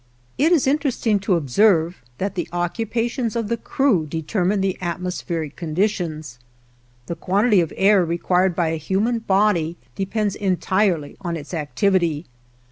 It is interesting to observe that the occupations of the crew determine the atmospheric conditions: the quantity of air required by a human body depends entirely on its activity.